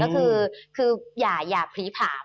ก็คืออย่าผลีผาม